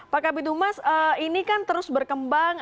pak kabit dumas ini kan terus berkembang